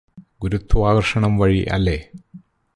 ഗുരുത്വാകര്ഷണം വഴി അല്ലെ